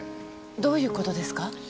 どういうことですか？